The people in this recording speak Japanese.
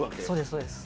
そうです